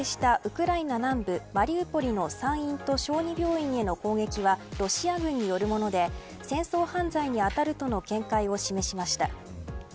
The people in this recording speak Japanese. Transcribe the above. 先月９日に発生したウクライナ南部マリウポリの産院と小児病院への攻撃はロシア軍によるもので戦争犯罪に当たるとの見解を示しました。